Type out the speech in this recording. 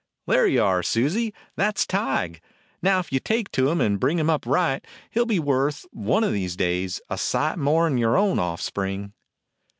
"There you are, Susie; that 's Tige. Now, if you take to him and bring him up right, he 'll be worth, one of these days, a sight more 'n your own offspring."